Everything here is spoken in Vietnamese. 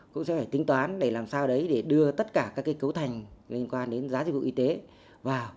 cũng sẽ phải tính toán để làm sao đấy để đưa tất cả các cái cấu thành liên quan đến giá dịch vụ y tế vào